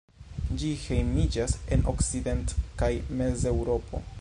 Ĝi hejmiĝas en okcident- kaj Mezeŭropo.